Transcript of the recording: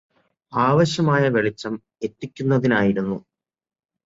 ആവശ്യമായ വെളിച്ചം എത്തിക്കുന്നതിനായിരുന്നു